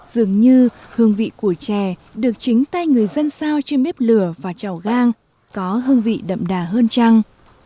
dường như hương vị của trè được chính tay người dân sao trên bếp lửa và chảo gan có hương vị đậm đà hơn trăng